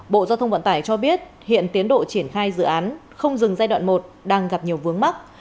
bộ giao thông vận tải cho biết hiện tiến độ triển khai dự án không dừng giai đoạn một đang gặp nhiều vướng mắt